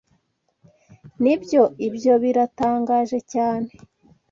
Nibyo, ibyo biratangaje cyane.